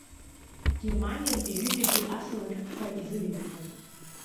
Германиантәи ҩыџьагьы асалам шәҟәқәа изырыҩхьан.